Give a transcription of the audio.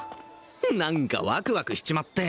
何かワクワクしちまって